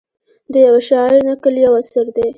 د یوه شاعر نکل یو اثر دی.